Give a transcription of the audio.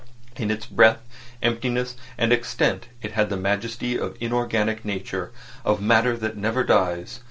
In its breadth, emptiness, and extent it had the majesty of inorganic nature, of matter that never dies.